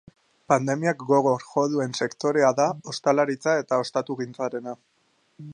Pandemiak gogor jo duen sektorea da ostalaritza eta ostatugintzarena.